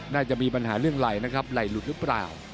น่าจะมีปัญหาเรื่องไหล่นะครับไหล่หลุดหรือเปล่า